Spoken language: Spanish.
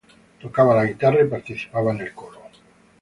Tocaba la guitarra y participaba en el coro.